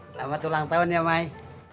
selamat ulang tahun ya mai